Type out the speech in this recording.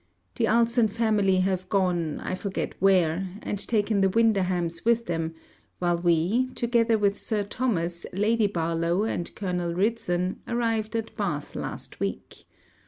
The Ulson family have gone I forget where, and taken the Winderhams with them, while we, together with Sir Thomas, Lady Barlowe, and Colonel Ridson, arrived at Bath last week.